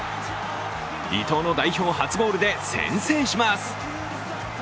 伊藤の代表初ゴールで先制します。